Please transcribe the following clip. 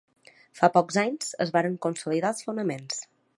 Fa pocs anys es varen consolidar els fonaments.